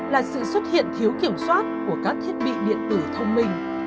là sự xuất hiện thiếu kiểm soát của các thiết bị điện tử thông minh